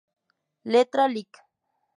Letra: Lic.